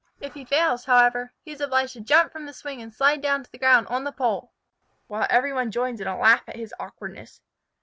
If he fails, however, he is obliged to jump from the swing and slide down to the ground on the pole, while every one joins in a laugh at his awkwardness.